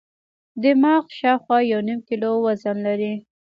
دماغ شاوخوا یو نیم کیلو وزن لري.